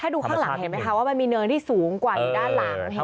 ดูข้างหลังเห็นไหมคะว่ามันมีเนินที่สูงกว่าอยู่ด้านหลัง